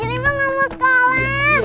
janiper gak mau sekolah